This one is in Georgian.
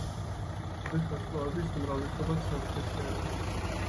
ზღვის ვარსკვლავების უმრავლესობა ცალსქესიანია.